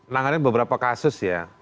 nanggarin beberapa kasus ya